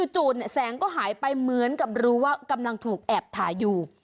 จู่แสงก็หายไปเหมือนกับรู้ว่ากำลังถูกแอบถ่ายอยู่